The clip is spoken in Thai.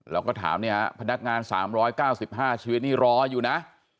เราก็ถามเนี่ยพนักงาน๓๙๕ชีวิตนี่รออยู่นะ